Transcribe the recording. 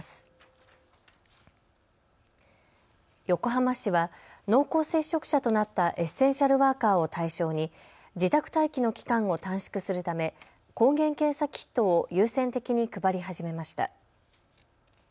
横浜市は濃厚接触者となったエッセンシャルワーカーを対象に自宅待機の期間を短縮するため抗原検査キットを優先的に配り始めました。